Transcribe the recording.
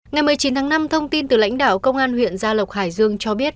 ngày một mươi chín tháng năm thông tin từ lãnh đạo công an huyện gia lộc hải dương cho biết